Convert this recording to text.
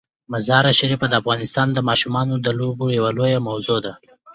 مزارشریف د افغانستان د ماشومانو د لوبو یوه لویه موضوع ده.